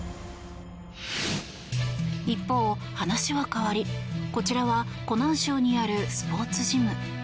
一方、話は変わりこちらは湖南省にあるスポーツジム。